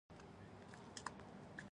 له استانبول نه اردن ته درې ساعته الوتنه ده.